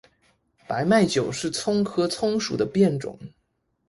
白脉韭是葱科葱属的变种。